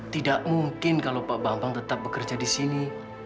tidak mungkin kalau pak bambang tetap bekerja di sini